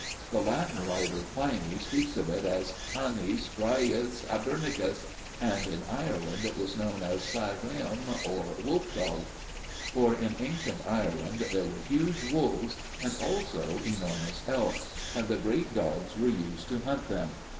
The Latin writer Pliny speaks of it as canis graius Hibernicus, and in Ireland it was known as sagh clium or wolf dog. For in ancient Ireland there were huge wolves and also enormous elk, and the great dogs were used to hunt them.